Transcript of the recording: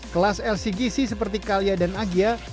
kelas lcgc seperti kalia dan agia